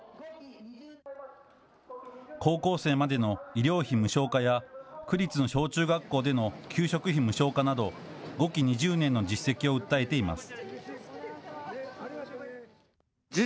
高校生までの医療費無償化や、区立の小中学校での給食費無償化など、５期２０年の実績を訴えています。